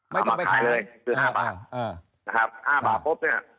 ไม่ต้องไปขายเลยคือ๕บาทนะครับห้าบาทปุ๊บเนี่ย